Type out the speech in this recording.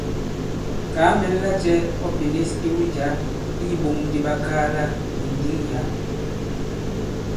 Kàa mɛn lacɛ̄ ɔ pinīs iwu jǎ i iɓōŋ di ɓakaala nì ndǐŋ yǎ.